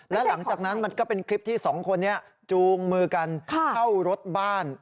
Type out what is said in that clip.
และหลังจากนั้นมันก็เป็นคลิปที่สองคนนี้จูงมือกันเข้ารถบ้าน